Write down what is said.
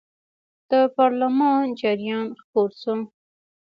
د پارلمان جریان خپور شو.